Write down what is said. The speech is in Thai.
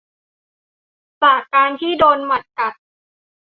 จากการที่โดนหมัดกัด